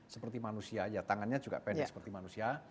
seperti manusia ya tangannya juga pendek seperti manusia